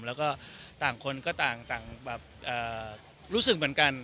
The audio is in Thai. แล้วก็ต่างคนก็ต่างแบบรู้สึกเหมือนกัน